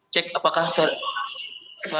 cek apakah suara saya dengar